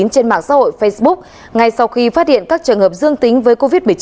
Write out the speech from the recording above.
trên mạng xã hội facebook ngay sau khi phát hiện các trường hợp dương tính với covid một mươi chín